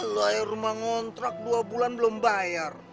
loh ayo rumah ngontrak dua bulan belum bayar